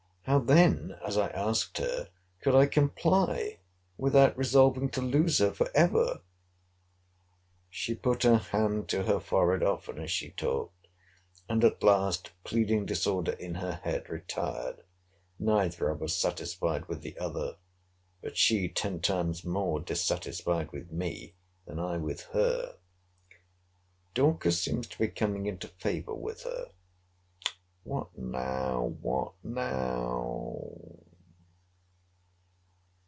How then, as I asked her, could I comply, without resolving to lose her for ever? She put her hand to her forehead often as she talked; and at last, pleading disorder in her head, retired; neither of us satisfied with the other. But she ten times more dissatisfied with me, than I with her. Dorcas seems to be coming into favour with her— What now!—What now!